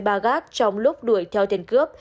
bà gác trong lúc đuổi theo tiền cướp